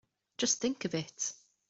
Just think of it!